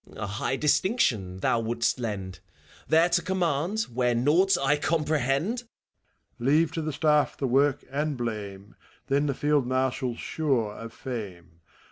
A high distinction thou wouldst lend, — There to conmiand, where naught I comprehend ! ACT IV, IW MEPHISTOPHHLES. Leave to the Staff the work and blame, Then the Field Marshial's sure of fame!